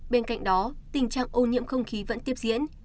bên cạnh đó tình trạng ô nhiễm không khí vẫn tiếp diễn